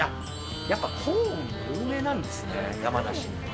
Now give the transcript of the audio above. やっぱコーン、有名なんですね、山梨って。